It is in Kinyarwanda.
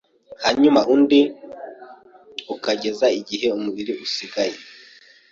hanyuma undi ukageza igihe umubiri usigaye